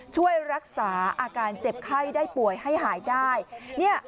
ช่วยรักษาอาการเจ็บไข้ได้ป่วยให้หายได้เนี่ย